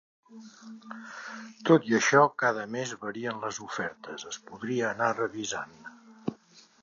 Tot i això, cada mes varien les ofertes, es podria anar revisant.